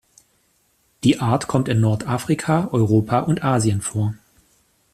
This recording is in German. Die Art kommt in Nordafrika, Europa und Asien vor.